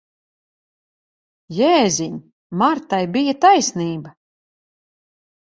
Jēziņ! Martai bija taisnība.